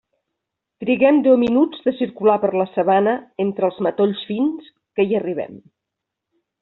Triguem deu minuts de circular per la sabana entre els matolls fins que hi arribem.